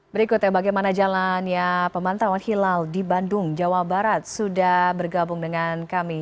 berikutnya bagaimana jalannya pemantauan hilal di bandung jawa barat sudah bergabung dengan kami